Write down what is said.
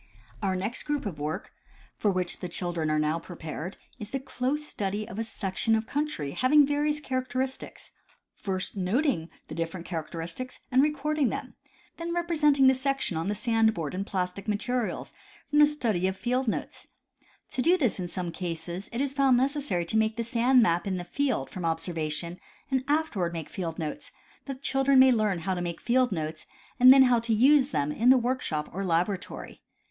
Our next group of work, for which the children are now pre pared, is the close study of a section of country having various characteristics, first noting the different characteristics and recording them, then representing the section on the sand board in plastic materials from the study of the field notes. To do this in some cases it is found necessary to make the sand map in the field from observation and afterwards make field notes, that the children may learn how to make field notes, and then how to use them in the workshop or laboratory.